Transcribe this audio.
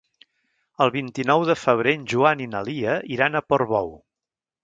El vint-i-nou de febrer en Joan i na Lia iran a Portbou.